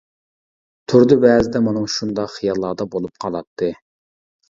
تۇردى بەزىدە مانا شۇنداق خىياللاردا بولۇپ قالاتتى.